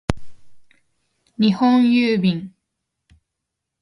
日本郵便